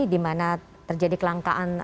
di mana terjadi kelangkaan